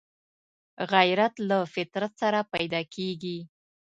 غیرت له فطرت سره پیدا کېږي